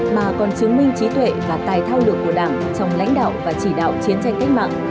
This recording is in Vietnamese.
mà còn chứng minh trí tuệ và tài thao lược của đảng trong lãnh đạo và chỉ đạo chiến tranh cách mạng